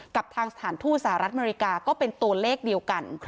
กับทางสถานทูตสหรัฐอเมริกาก็เป็นตัวเลขเดียวกัน